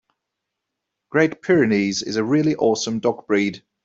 Great Pyrenees is a really awesome dog breed.